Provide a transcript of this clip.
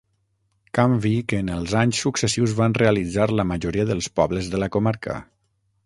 Canvi que en els anys successius van realitzar la majoria dels pobles de la comarca.